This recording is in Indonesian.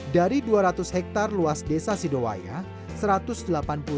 dari dua ratus hektar luas desa sidowayah